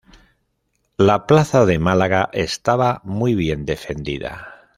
La plaza de Málaga estaba muy bien defendida.